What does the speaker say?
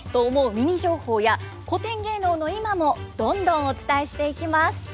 ミニ情報や古典芸能の今もどんどんお伝えしていきます。